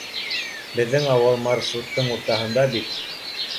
Беҙҙең ауыл маршруттың уртаһында бит.